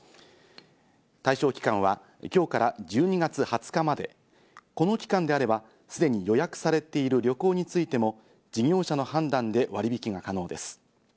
対象期間は今日から１２月２０日まで、この期間であれば、すでに予約されている旅行についても事業者の判断で割引が可能です。